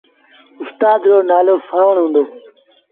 اُستآد رو نآلو سآݩوڻ هُݩدو۔